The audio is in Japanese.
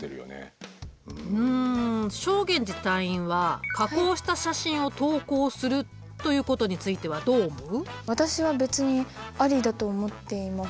うん正源司隊員は加工した写真を投稿するということについてはどう思う？